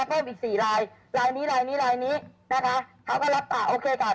เพิ่มอีกสี่ลายลายนี้ลายนี้ลายนี้นะคะเขาก็รับปากโอเคค่ะ